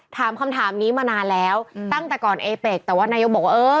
ถามคำถามนี้มานานแล้วตั้งแต่ก่อนเอเป็กแต่ว่านายกบอกว่าเออ